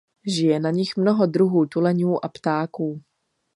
Žije na nich mnoho druhů tuleňů a ptáků.